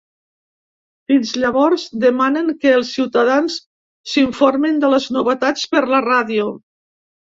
Fins llavors, demanen que els ciutadans s’informin de les novetats per la ràdio.